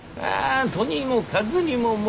あとにもかくにも